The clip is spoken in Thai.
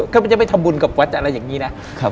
ก็มันจะไปทำบุญกับวัดอะไรอย่างนี้นะ